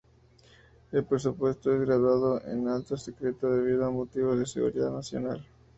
El presupuesto es guardado en alto secreto debido a motivos de seguridad nacional.